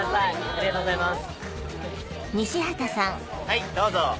ありがとうございます。